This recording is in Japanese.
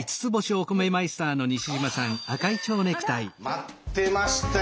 待ってましたよ。